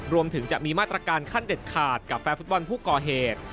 รวมถึงจะมีมาตรการขั้นเด็ดขาดกับแฟนฟุตบอลผู้ก่อเหตุ